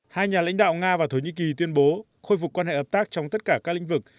hai nhà lãnh đạo nga và thổ nhĩ kỳ tuyên bố khôi phục quan hệ hợp tác trong tất cả các lĩnh vực